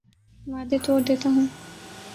وعدے توڑ دیتا ہوں